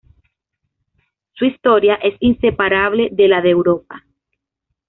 Su historia es inseparable de la de Europa.